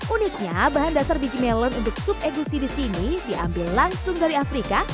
uniknya bahan dasar biji melon untuk sup egusi di sini diambil langsung dari afrika